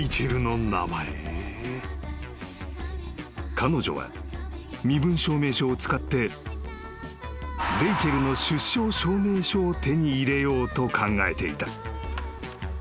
［彼女は身分証明書を使ってレイチェルの出生証明書を手に入れようと考えていた］